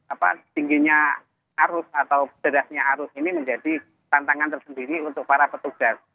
apa tingginya arus atau derasnya arus ini menjadi tantangan tersendiri untuk para petugas